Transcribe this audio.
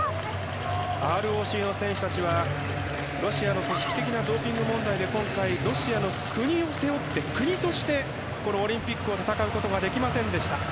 ＲＯＣの選手たちはロシアの組織的なドーピング問題で今回、ロシアの国を背負って国として、このオリンピックを戦うことはできませんでした。